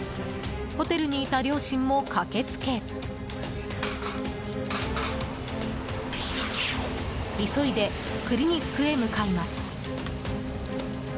ホテルにいた両親も駆けつけ急いでクリニックへ向かいます。